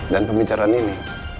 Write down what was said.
dan pembicaraan ini